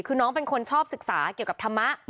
คือน้องเป็นคนชอบศึกษาเกี่ยวกับธรรมะ